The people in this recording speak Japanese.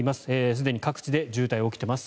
すでに各地で渋滞が起きています。